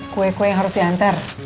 kue kue yang harus diantar